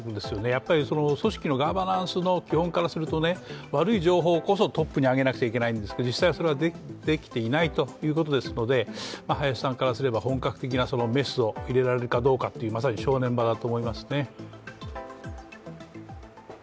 やっぱり組織のガバナンスの基本からすると悪い情報こそトップに上げなくちゃいけないんですけど実際はそれができていないということですので林さんからすれば、本格的なメスを入れられるかどうかというまさに正念場だと思いますね。